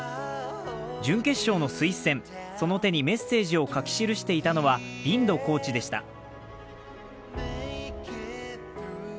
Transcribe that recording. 準決勝のスイス戦、その手にメッセージを書き記していたのはリンドコーチでした。